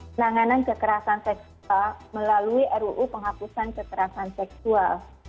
penanganan kekerasan seksual melalui ruu penghapusan kekerasan seksual